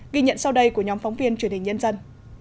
ghi nhận sau đây của nhóm phóng viên truyền hình nhân dân